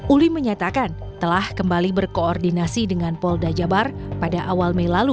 uli menyatakan telah kembali berkoordinasi dengan polda jabar pada awal mei lalu